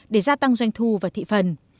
để gia tăng doanh thu và thị phần